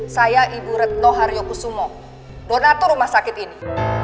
saya ibu retno haryokusumo donator rumah sakit ini